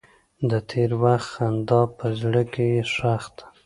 د تېر وخت خندا په زړګي کې ښخ ده.